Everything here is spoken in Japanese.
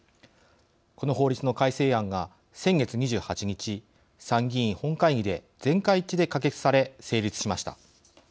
この法律の改正案が先月２８日参議院本会議で全会一致で可決され成立しました。